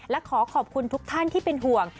และขอขอบคุณทุกท่านที่เป็นห่วง